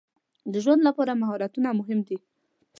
د ژوند لپاره مهارتونه مهم دي.